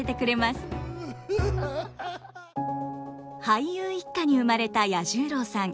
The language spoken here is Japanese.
俳優一家に生まれた彌十郎さん。